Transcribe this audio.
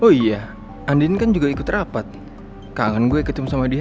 oh iya andin kan juga ikut rapat kangen gue ketemu sama dia